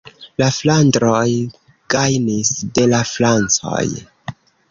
La flandroj gajnis de la francoj.